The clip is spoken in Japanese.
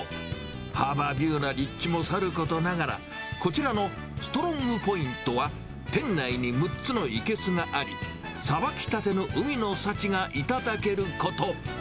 ハーバービューな立地もさることながら、こちらのストロングポイントは、店内に６つの生けすがあり、さばきたての海の幸が頂けること。